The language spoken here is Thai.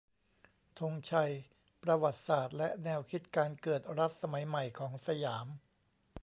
ธงชัย : ประวัติศาสตร์และแนวคิดการเกิดรัฐสมัยใหม่ของสยาม